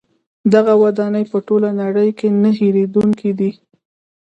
دغه ودانۍ په ټوله نړۍ کې نه هیریدونکې دي.